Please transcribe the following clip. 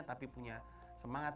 tapi punya semangat